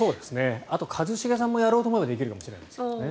あと一茂さんもやろうと思えばできるかもしれないですね。